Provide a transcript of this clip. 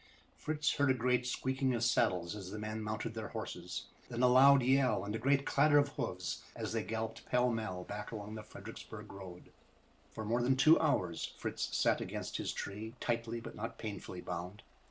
Fritz heard a great squeaking of saddles as the men mounted their horses. Then a loud yell and a great clatter of hoofs as they galloped pell mell back along the Fredericksburg road. For more than two hours Fritz sat against his tree, tightly but not painfully bound.